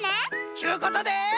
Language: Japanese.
ちゅうことで。